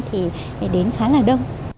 thì đến khá là đông